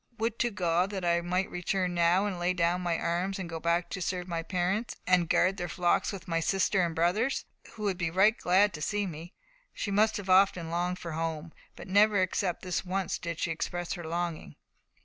Would to God that I might return now, and lay down my arms, and go back to serve my parents, and guard their flocks with my sister and brothers, who would be right glad to see me." She must often have longed for her home, but never except this once did she express her longing.